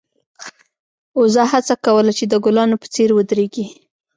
وزه هڅه کوله چې د ګلانو په څېر ودرېږي.